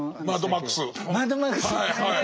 「マッドマックス」！